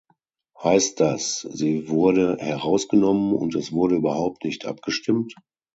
Heißt das, sie wurde herausgenommen und es wurde überhaupt nicht abgestimmt?